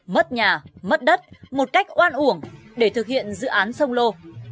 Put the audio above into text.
mất nhà mất đất một cách oan uổng để thực hiện dự án sông lô